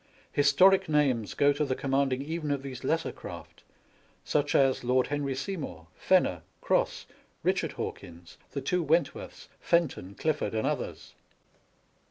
Historic names go to the commanding even of these lesser craft, such as Lord Henry Seymour, Fenner, Cross, Eichard Hawkins, the two Wentworths, Fenton, Clifford, and others.